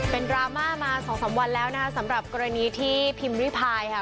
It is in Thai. เป็นดราม่ามาสองสามวันแล้วนะคะสำหรับกรณีที่พิมพ์ริพายค่ะ